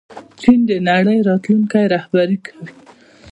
چین د نړۍ راتلونکی رهبري کوي.